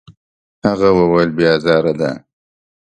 هغه وویل: «بې ازاره ده.»